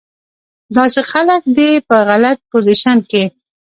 داسې خلک دې پۀ غلط پوزيشن کښې